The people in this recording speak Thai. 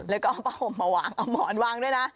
เอาผาห่มมาวางเอามอนวางด้วยนะ